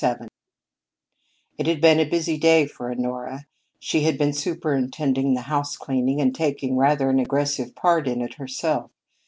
XXVII It had been a busy day for Honora. She had been superintending the house cleaning and taking rather an aggressive part in it herself.